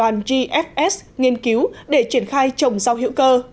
nghiên cứu để triển khai trồng rau hữu cơ